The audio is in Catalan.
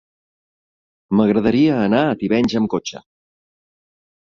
M'agradaria anar a Tivenys amb cotxe.